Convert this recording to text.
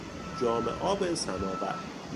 جام آب سماور